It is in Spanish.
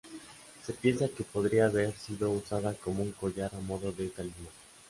Se piensa que podría haber sido usada como un collar a modo de talismán.